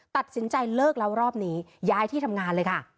ตัดสินใจเลิกแล้วรอบนี้ย้ายที่ทำงานเลยค่ะ